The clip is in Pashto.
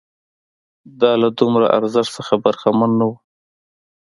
دا له دومره ارزښت څخه برخمن نه وو